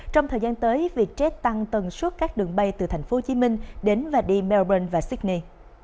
trong thời gian tới vietjet tăng tần suất các đường bay từ tp hcm đến và đi melbourn và sydney